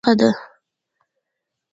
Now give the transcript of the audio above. ولایتونه د افغانستان د اقتصاد یوه برخه ده.